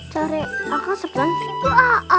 cari angka sepanjang kitu